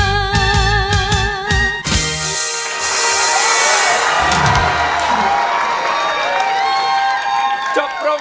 จบร้องไปแล้วนะครับ